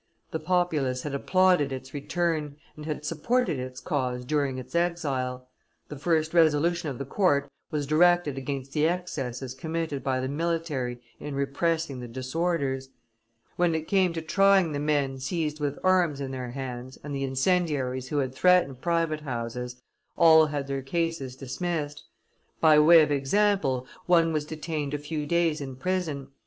The populace had applauded its return and had supported its cause during its exile; the first resolution of the court was directed against the excesses committed by the military in repressing the disorders. When it came to trying the men seized with arms in their hands and the incendiaries who had threatened private houses, all had their cases dismissed; by way of example, one was detained a few days in prison.